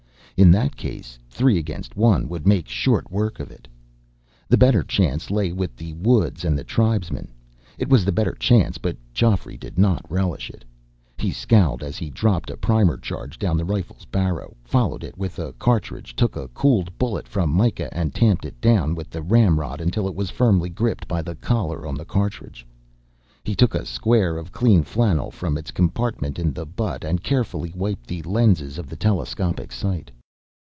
In that case, three against one would make short work of it. The better chance lay with the woods and the tribesmen. It was the better chance, but Geoffrey did not relish it. He scowled as he dropped a primer charge down the rifle's barrel, followed it with a cartridge, took a cooled bullet from Myka, and tamped it down with the ramrod until it was firmly gripped by the collar on the cartridge. He took a square of clean flannel from its compartment in the butt and carefully wiped the lenses of the telescopic sight.